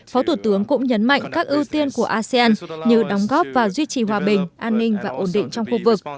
phó thủ tướng cũng nhấn mạnh các ưu tiên của asean như đóng góp và duy trì hòa bình an ninh và ổn định trong khu vực